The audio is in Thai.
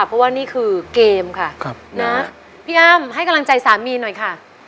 เพราะว่านี่คือเกมค่ะนะพี่อ้ำให้กำลังใจสามีหน่อยค่ะ